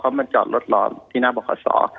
เขามาจอดรถรอที่หน้าบข